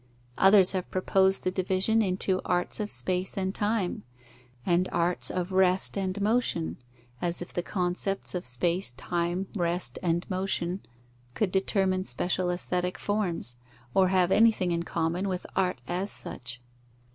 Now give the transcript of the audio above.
Others have proposed the division into arts of space and time, and arts of rest and motion; as if the concepts of space, time, rest, and motion could determine special aesthetic forms, or have anything in common with art as such.